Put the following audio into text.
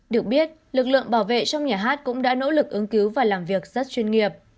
được biết lực lượng bảo vệ trong nhà hát cũng đã nỗ lực ứng cứu và làm việc rất chuyên nghiệp